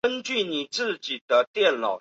西格弗里德一世。